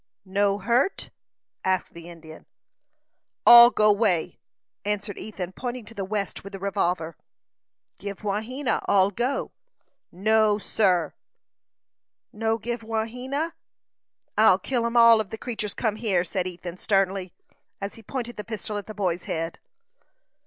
"No hurt?" asked the Indian. "All go 'way," answered Ethan, pointing to the west with the revolver. "Give Wahena all go." "No, sir!" "No give Wahena?" "I'll kill him ef them creeturs come hyer," said Ethan, sternly, as he pointed the pistol at the boy's head.